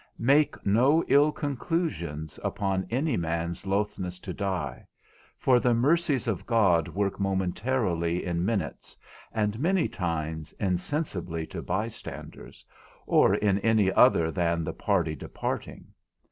Make no ill conclusions upon any man's lothness to die, for the mercies of God work momentarily in minutes, and many times insensibly to bystanders, or any other than the party departing.